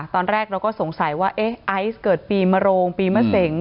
ตอนแรกเราก็สงสัยว่าเอ๊ะไอซ์เกิดปีมโรงปีมะเสง